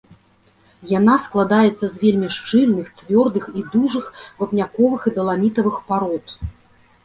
Яна складаецца з вельмі шчыльных, цвёрдых і дужых вапняковых і даламітавых парод.